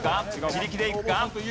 自力でいくか？